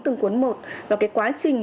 từng cuốn một và cái quá trình